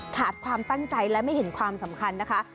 ขาดความตั้งใจและไม่เห็นความสำคัญนะคะ